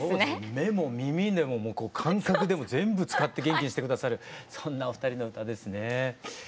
目も耳でも感覚でも全部使って元気にして下さるそんなお二人の歌ですね。